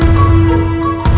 ya allah ya allah